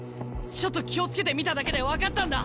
ちょっと気を付けて見ただけで分かったんだ